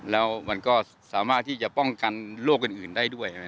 แล้วมันก็สามารถที่จะป้องกันโรคอื่นได้ด้วย